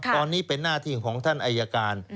ตอนนี้เป็นหน้าที่ของท่านอายการ